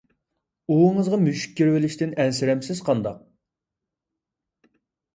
ئۇۋىڭىزغا مۈشۈك كىرىۋېلىشتىن ئەنسىرەمسىز قانداق؟